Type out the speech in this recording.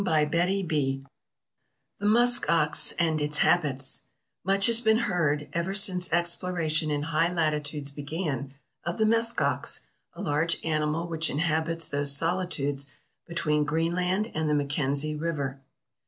MISCELLANEOUS The Musk Ox and its Habits MUCH has been heard, ever since exploration in high lati tudes began, of the musk ox, a large animal which inhab its those solitudes between Greenland and the Mackenzie River.